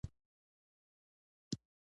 • لمر د ځواک یوه طاقته سرچینه ده.